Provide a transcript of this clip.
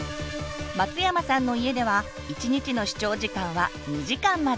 松山さんの家では１日の視聴時間は２時間まで。